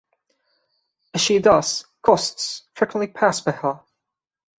As she does, ghosts frequently pass by her.